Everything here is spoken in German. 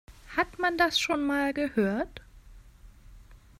Hat man das schon mal gehört?